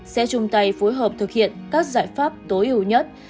sẽ chung tay phối hợp thực hiện các giải pháp tối ưu nhất